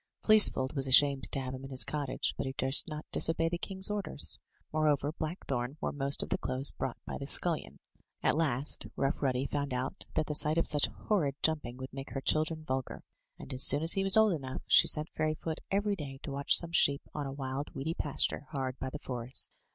Fleecefold was ashamed to have him in his cottage, but he durst not disobey the king's orders. Moreover, Blackthorn wore most of the clothes brought by the scullion. At last. Rough Ruddy found out that the sight of such horrid jumping would make her children vulgar; and, as soon as he was old enough, she sent Fairyfoot every day to watch some sheep on a wild, weedy pasture, hard by the forest.